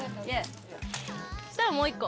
したらもう１個。